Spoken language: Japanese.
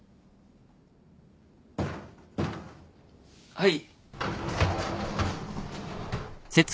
・はい。